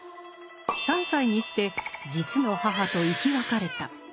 ３歳にして実の母と生き別れた。